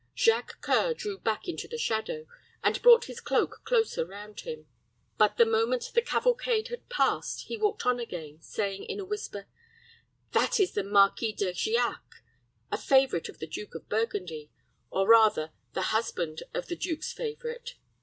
Jacques C[oe]ur drew back into the shadow, and brought his cloak closer round him; but the moment the cavalcade had passed he walked on again, saying in a whisper, "That is the Marquis de Giac, a favorite of the Duke of Burgundy or, rather, the husband of the duke's favorite.